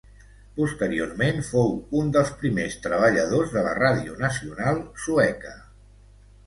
Posteriorment fou un dels primers treballadors de la ràdio nacional sueca.